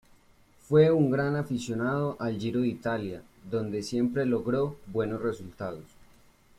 Fue un gran aficionado al Giro de Italia, donde siempre logró buenos resultados.